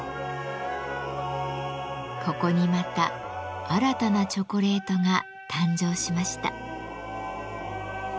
ここにまた新たなチョコレートが誕生しました。